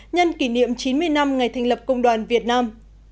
nhân kỷ niệm chín mươi năm ngày thành lập công đoàn việt nam